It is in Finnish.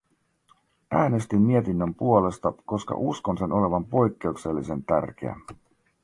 Äänestin mietinnön puolesta, koska uskon sen olevan poikkeuksellisen tärkeä.